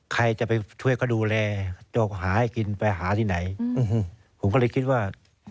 ใครจะไปช่วยเขาดูแลเจ้าหาให้กินไปหาที่ไหนผมก็เลยคิดว่า